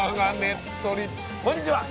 こんにちは。